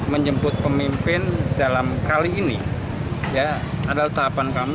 menjemput pemimpin dalam kali ini adalah tahapan karakteris